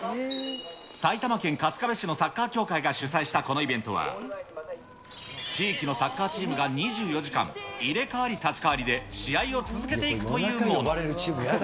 埼玉県春日部市のサッカー協会が主催したこのイベントは、地域のサッカーチームが２４時間、入れ代わり立ち代わりで試合を続けていくというもの。